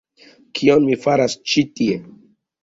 Kion mi faras ĉi tie?